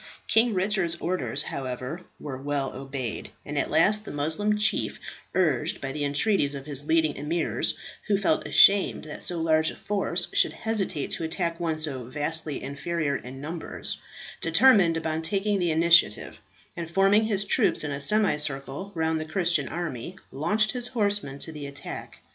King Richard's orders, however, were well obeyed, and at last the Moslem chief, urged by the entreaties of his leading emirs, who felt ashamed that so large a force should hesitate to attack one so vastly inferior in numbers, determined upon taking the initiative, and forming his troops in a semicircle round the Christian army, launched his horsemen to the attack.